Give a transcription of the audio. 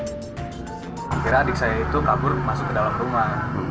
akhirnya adik saya itu kabur masuk ke dalam rumah